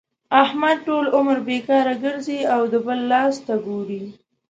احمد ټول عمر بېکاره ګرځي او د بل لاس ته ګوري.